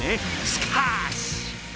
しかし！